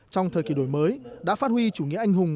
trong thời kỳ đổi mới đã phát huy chủ nghĩa anh hùng